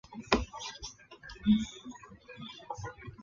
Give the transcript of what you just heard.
撤收时则按照相反的顺序操作即可。